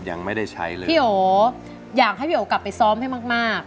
ยังไม่ได้ใช้เลยพี่โออยากให้พี่โอกลับไปซ้อมให้มากมาก